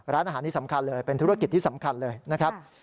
ร้านอาหารนี้สำคัญเลยเป็นธุรกิจที่สำคัญเลยนะครับ